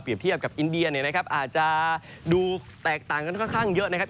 เทียบกับอินเดียเนี่ยนะครับอาจจะดูแตกต่างกันค่อนข้างเยอะนะครับ